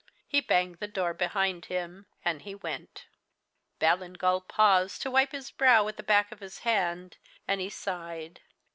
"He banged the door behind him and he went." Ballingall paused, to wipe his brow with the back of his hand; and he sighed.